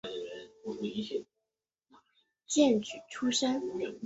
荐举出身。